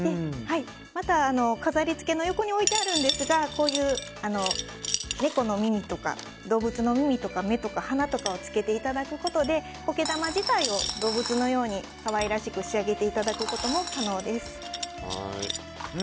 また、飾りつけの横に置いてあるんですが猫の耳とか、動物の耳とか目とか、鼻とかをつけていただくことで苔玉自体を動物のように可愛らしく仕上げていただくことも可能です。